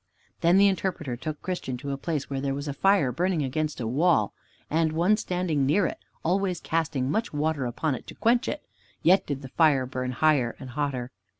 Then the Interpreter took Christian to a place where there was a fire burning against a wall, and one standing near it, always casting much water upon it to quench it, yet did the fire burn higher and hotter.